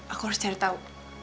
aku harus cari tahu